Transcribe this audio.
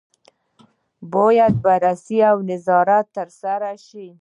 باید بررسي او نظارت ترسره شي.